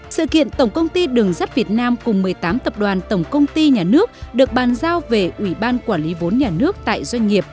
sự kiện tổng công ty đường sắt việt nam cùng một mươi tám tập đoàn tổng công ty nhà nước được bàn giao về ủy ban quản lý vốn nhà nước tại doanh nghiệp